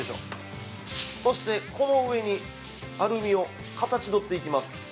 そして、この上にアルミを形どっていきます。